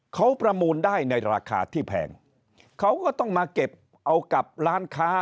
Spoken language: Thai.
เขาประมูลได้ในราคาที่แพงเขาก็ต้องมาเก็บเอากับร้านค้า